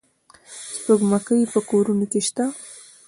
سپوږمکۍ په کورونو کې شته.